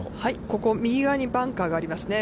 ここ、右側にバンカーがありますね。